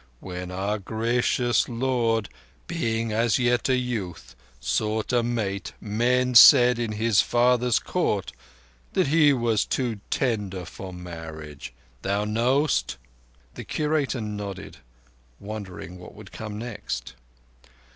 When our gracious Lord, being as yet a youth, sought a mate, men said, in His father's Court, that He was too tender for marriage. Thou knowest?" The Curator nodded, wondering what would come next.